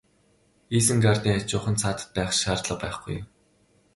Изенгардын хажууханд саатаад байх шаардлага байхгүй.